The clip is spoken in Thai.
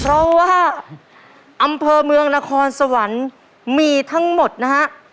เพราะว่าอำเภอเมืองนครสวรรค์มีทั้งหมดนะฮะ